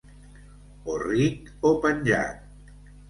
O ric o penjat.